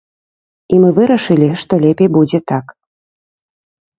І мы вырашылі, што лепей будзе так.